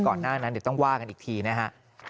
หน้านั้นเดี๋ยวต้องว่ากันอีกทีนะฮะ